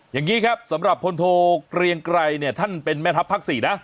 อย่างนี้ครับสำหรับพลโทเกรียงไกรเนี่ยท่านเป็นแม่ทัพภาค๔นะ